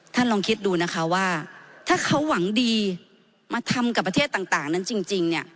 ลองคิดดูนะคะว่าถ้าเขาหวังดีมาทำกับประเทศต่างนั้นจริงเนี่ย